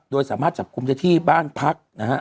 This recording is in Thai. โดยสามารถจับกลุ่มได้ที่บ้านพักนะฮะ